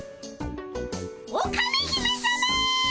オカメ姫さま！